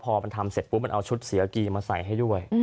พอมันทำเสร็จปุ๊บมันเอาชุดเสียกีมาใส่ให้ด้วย